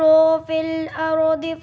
atau ada yang berpikir